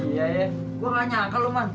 iya iya saya tidak nyangka ibu